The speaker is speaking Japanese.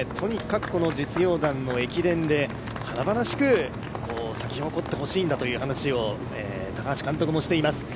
とにかく実業団の駅伝で、華々しく咲き誇ってほしいんだという話を高橋監督もしています。